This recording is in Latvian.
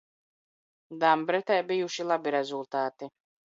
Dambretē bijuši labi rezultāti.